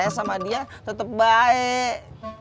saya sama dia tetap baik